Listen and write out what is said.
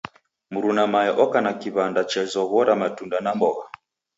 Mruna mae oka na kiw'anda chezoghora matunda na mbogha.